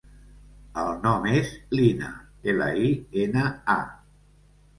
El nom és Lina: ela, i, ena, a.